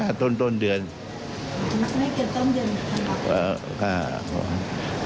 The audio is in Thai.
ไม่เกินต้นเดือนทันวาคม